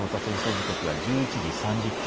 時刻は１１時３０分。